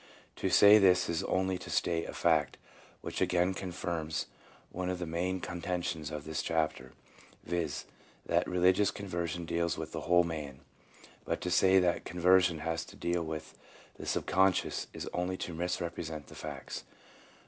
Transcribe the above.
To say this is only to state a fact which again confirms one of the main contentions of this chapter — viz., that religious conversion deals with the whole man; but to say that conversion has to deal with the subconscious only is to misrepresent the facts.